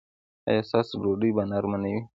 ایا ستاسو ډوډۍ به نرمه نه وي؟